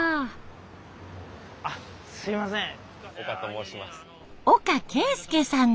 あすいません。